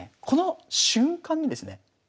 この瞬間にですね